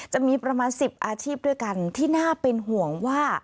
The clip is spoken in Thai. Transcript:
จะมีประมาณ๑๐อาชีพด้วยกันที่น่าเป็นห่วงว่า